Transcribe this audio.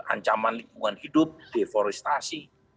ancaman lingkungan hidup deforestasi